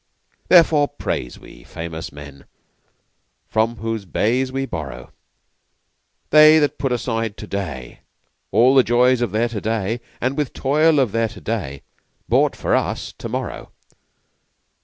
Wherefore praise we famous men From whose bays we borrow They that put aside Today All the joys of their Today And with toil of their Today Bought for us Tomorrow!